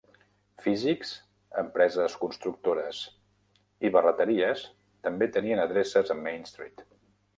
Físics, empreses constructores i barreteries també tenien adreces a Main Street.